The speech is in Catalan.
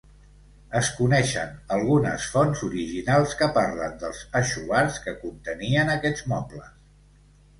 Es coneixen algunes fonts originals que parlen dels aixovars que contenien aquests mobles.